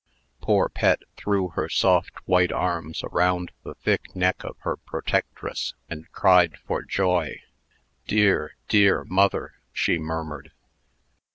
Poor Pet threw her soft white arms around the thick neck of her protectress, and cried for joy. "Dear, dear mother!" she murmured.